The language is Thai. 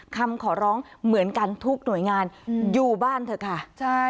คำขอร้องเหมือนกันทุกหน่วยงานอยู่บ้านเถอะค่ะใช่